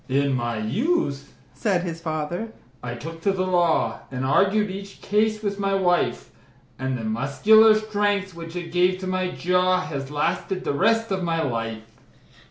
"In my youth," said his fater, "I took to the law, And argued each case with my wife; And the muscular strength, which it gave to my jaw, Has lasted the rest of my life."